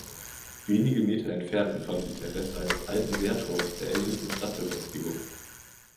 Wenige Meter entfernt befand sich der Rest eines alten Wehrturms der ältesten Stadtbefestigung.